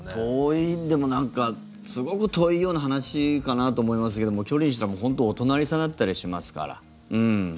遠いすごく遠いような話かなと思いますけども距離にしたら、本当にお隣さんだったりしますから。